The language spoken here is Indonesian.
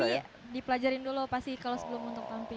tapi dipelajarin dulu pasti kalau sebelum muntung tampil